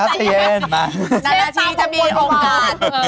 อาจจะเย็นค่ะมาในหน้าทีจะมีโอกาส